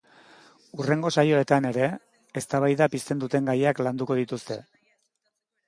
Hurrengo saioetan ere, eztabaida pizten duten gaiak landuko dituzte.